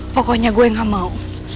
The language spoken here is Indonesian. pokoknya gue gak mau